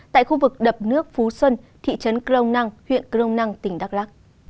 tại khu vực đập nước phú xuân thị trấn crong năng huyện crong năng tỉnh đắk lắc